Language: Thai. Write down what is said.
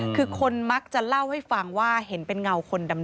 คือคนมักจะเล่าให้ฟังว่าเห็นเป็นเงาคนดำ